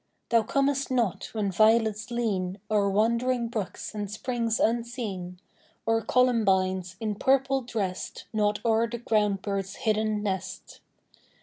Thou comest not when violets lean O'er wandering brooks and springs unseen, Or columbines, in purple dressed, Nod o'er the ground bird's hidden nest.